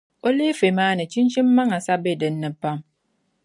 o leefe maa ni chinchini maŋa sa be dinni pam.